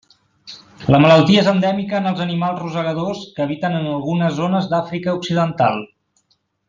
La malaltia és endèmica en els animals rosegadors que habiten en algunes zones d'Àfrica Occidental.